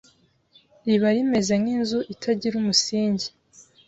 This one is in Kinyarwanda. riba rimeze nk’inzu itagira umusingi